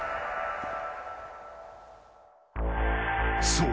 ［そう。